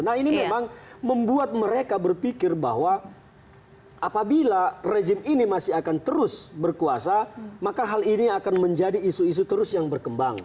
nah ini memang membuat mereka berpikir bahwa apabila rejim ini masih akan terus berkuasa maka hal ini akan menjadi isu isu terus yang berkembang